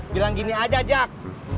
bilang gini aja jack